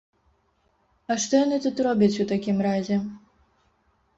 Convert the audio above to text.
А што яны тут робяць у такім разе?